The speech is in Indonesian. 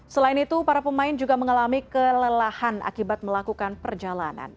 selain itu para pemain juga mengalami kelelahan akibat melakukan perjalanan